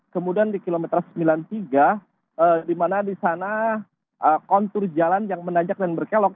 kemudian di kilometer sembilan puluh tiga dimana disana kontur jalan yang menanjak dan berkelok